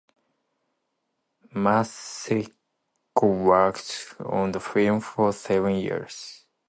Maseko worked on the film for seven years.